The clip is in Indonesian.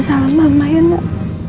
salam mama ya nek